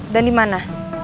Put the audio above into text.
dan di mana